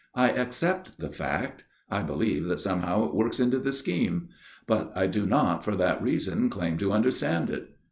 I accept the fact ; I believe that somehow it works into the scheme. But I do not for that reason claim to understand it.